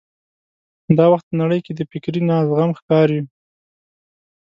دا وخت په نړۍ کې د فکري نه زغم ښکار یو.